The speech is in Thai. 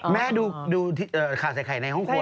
แม่ดูขาดสายไข่ในห้วครัวละ